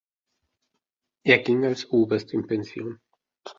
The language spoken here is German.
Er ging als Oberst in Pension.